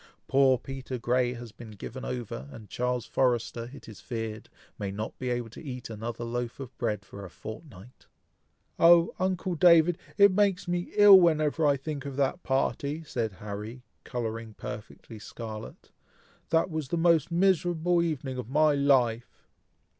Poor Peter Grey has been given over, and Charles Forrester, it is feared, may not be able to eat another loaf of bread for a fortnight!" "Oh! uncle David! it makes me ill whenever I think of that party!" said Harry, colouring perfectly scarlet; "that was the most miserable evening of my life!"